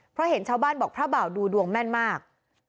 เพราะเห็นชาวบ้านบอกพระบ่าวดูดวงแม่นมาก